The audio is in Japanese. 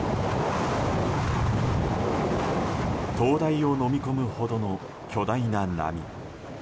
灯台をのみ込むほどの巨大な波。